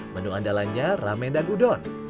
menu andalannya ramen dan udon